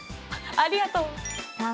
ありがとう。